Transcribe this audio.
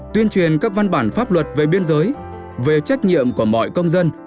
tuyên truyền các văn bản pháp luật về biên giới về trách nhiệm của mọi công dân